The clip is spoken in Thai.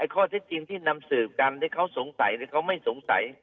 ข้อเท็จจริงที่นำสืบกันหรือเขาสงสัยหรือเขาไม่สงสัย